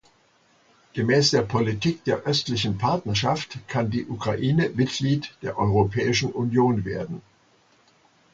Gemäß der Politik der Östlichen Partnerschaft kann die Ukraine Mitglied der Europäischen Union werden.